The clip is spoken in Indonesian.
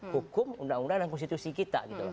hukum undang undang dan konstitusi kita